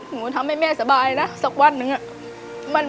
หนูทำให้แม่สบายนะสักวันหนึ่งอะ